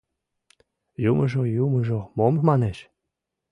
Юмыжо, юмыжо мом манеш?..